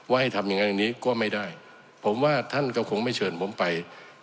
ให้ทำอย่างนั้นอย่างนี้ก็ไม่ได้ผมว่าท่านก็คงไม่เชิญผมไป